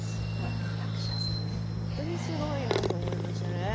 役者さんって本当にすごいなと思いました。